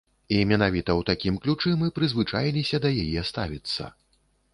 І менавіта ў такім ключы мы прызвычаіліся да яе ставіцца.